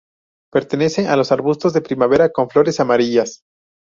Pertenece a los arbustos de primavera, con flores amarillas.